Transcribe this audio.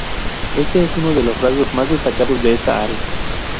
Este es uno de los rasgos más destacados de esta área.